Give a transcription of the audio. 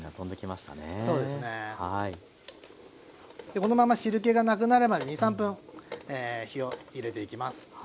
このまま汁けがなくなるまで２３分火をいれていきます。